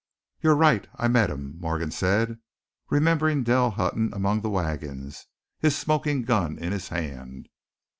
"You're right; I met him," Morgan said, remembering Dell Hutton among the wagons, his smoking gun in his hand.